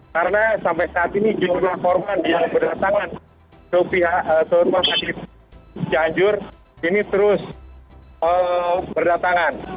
karena sampai saat ini jumlah korban yang berdatangan ke rumah sakit cianjur ini terus berdatangan